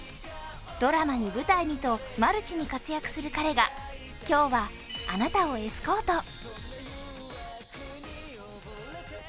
ドラマに舞台にとマルチに活躍する彼が今日はあなたをエスコート。